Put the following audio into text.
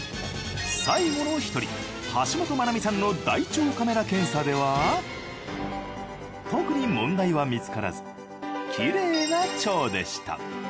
最後の１人橋本マナミさんの大腸カメラ検査では特に問題は見つからずキレイな腸でした。